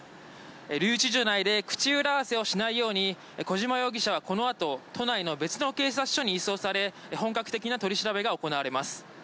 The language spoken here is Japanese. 留置所内で口裏合わせをしないように小島容疑者はこのあと都内の別の警察署に移送され本格的な取り調べが行われます。